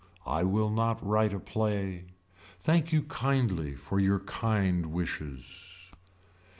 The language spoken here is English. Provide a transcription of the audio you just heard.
I will not write a play. Thank you kindly for your kind wishes.